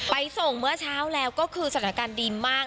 ไปส่งเมื่อเช้าแล้วก็คือสถานการณ์ดีมาก